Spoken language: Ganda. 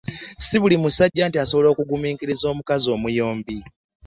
Si buli musajja nti asobola okugumira omukazi omuyombi.